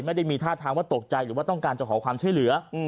ไม่ได้มีท่าทางว่าตกใจหรือว่าต้องการจะขอความช่วยเหลือ